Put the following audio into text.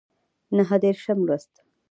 نهه دیرشم لوست